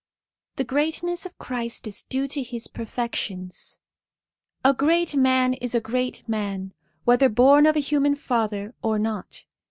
XVIII THE GREATNESS OF CHRIST IS DUE TO HIS PERFECTIONS A GREAT man is a great man, whether born of a human father or not.